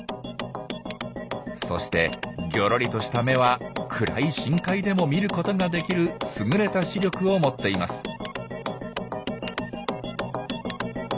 そしてギョロリとした目は暗い深海でも見ることができる優れた視力を持っています。